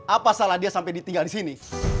apa salah dia sampai ditinggal di sini